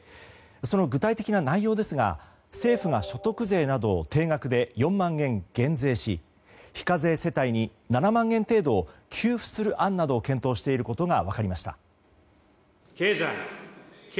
その具体的な内容ですが政府が所得税などを定額で４万円減税し、非課税世帯に７万円程度を給付する案などを検討していることが分かりました。